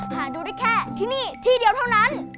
หาดูได้แค่ที่นี่ที่เดียวเท่านั้น